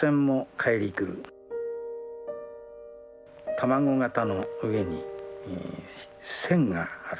卵形の上に線がある。